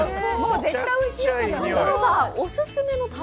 絶対おいしいもん！